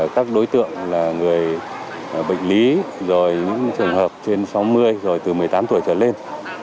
các đối tượng là người bệnh lý rồi những trường hợp trên sáu mươi rồi từ một mươi tám tuổi trở lên